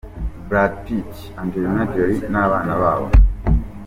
Brad Pitt, Angelina Jolie n'abana babo.